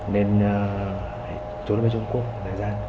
nên tôi nói với trung quốc là ra